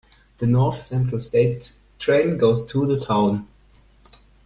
The North Central State Trail goes through the town.